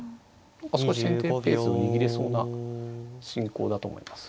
何か少し先手ペースを握れそうな進行だと思います。